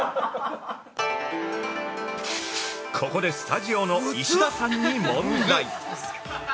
◆ここでスタジオの石田さんに問題！